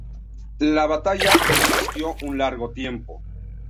La batalla persistió un largo tiempo.